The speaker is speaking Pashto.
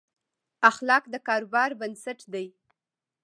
اخلاق د کاروبار بنسټ دي.